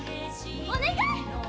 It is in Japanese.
お願い！